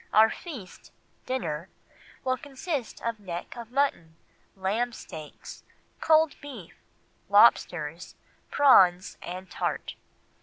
Our feast [dinner] will consist of neck of mutton, lamb steaks, cold beef, lobsters, prawns, and tart."